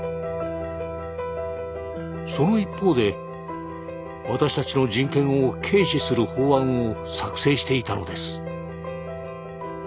その一方で私たちの人権を軽視する法案を作成していたのです。